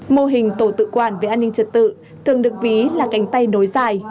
mô hình tổ tự quản về an ninh trật tự thường được ví là cánh tay nối dài